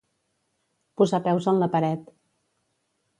Posar peus en la paret.